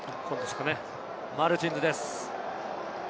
マルチンズです。